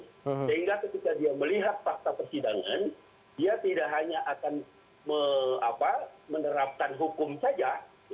sehingga ketika dia melihat fakta persidangan dia tidak hanya akan menerapkan hukum saja